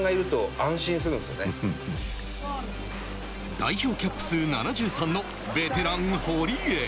代表キャップ数７３のベテラン・堀江。